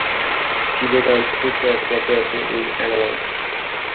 She began to purchase property in England.